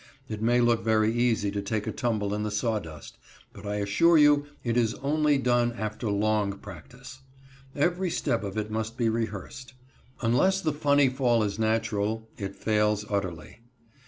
It may look very easy to take a tumble in the sawdust, but I assure you it is only done after long practice. Every step of it must be rehearsed. Unless the funny fall is natural, it fails utterly.